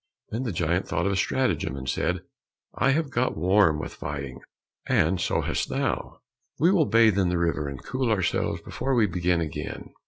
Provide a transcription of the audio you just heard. Then the giant thought of a stratagem, and said, "I have got warm with fighting, and so hast thou. We will bathe in the river, and cool ourselves before we begin again."